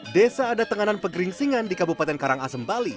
desa adatenganan pegering singan di kabupaten karangasem bali